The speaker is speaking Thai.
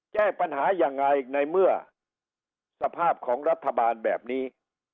แก้ปัญหายังไงในเมื่อสภาพของรัฐบาลแบบนี้